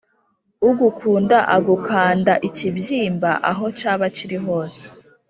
Ugukunda agukanda ikibyimba aho cyaba kiri hose.